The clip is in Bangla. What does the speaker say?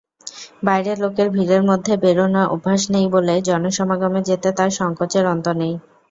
বাইরের লোকের ভিড়ের মধ্যে বেরোনো অভ্যেস নেই বলে জনসমাগমে যেতে তার সংকোচের অন্ত নেই।